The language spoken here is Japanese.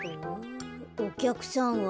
おきゃくさんは？